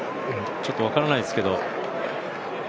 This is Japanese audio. ちょっと分からないですけど。